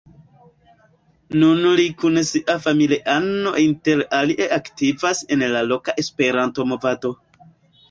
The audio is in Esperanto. Nun li kun sia familiano inter alie aktivas en la loka Esperanto-movado.